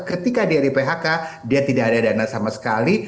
ketika dia di phk dia tidak ada dana sama sekali